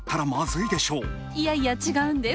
いやいや、違うんです。